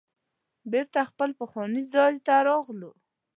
بیرته خپل پخواني ځای ته راغلو.